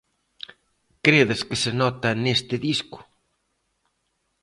Credes que se nota neste disco?